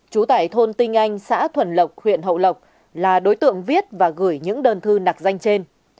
trú tại thôn tinh anh xã thuần lộc huyện hậu lộc là đối tượng viết và gửi những đơn thư nạc danh trên